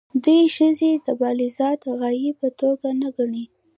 دوی ښځې د بالذات غایې په توګه نه ګڼي.